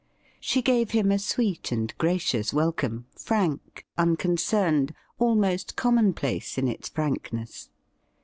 She gave him a sweet and gracious welcome, frank, unconcerned, almost commonplace in its frankness.